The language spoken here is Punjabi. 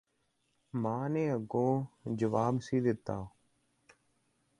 ਮਾਂ ਨੇ ਅਗੋਂ ਜਵਾਬ ਸੀ ਦਿੱਤਾ